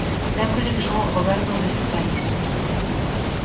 Lémbrolle que son o Goberno deste país.